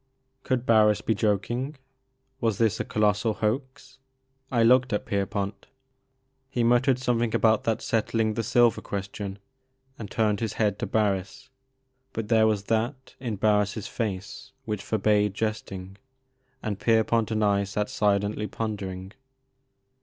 Could Barris be joking? Was this a colossal hoax? I looked at Pierpont. He muttered something about that settling the silver question, and turned his head to Barris, but there was that in Barris' face which forbade jesting, and Pier pont and I sat silently pondering.